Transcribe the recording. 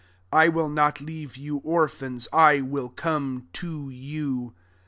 18 I will not le^ve you orphans : I will come to you.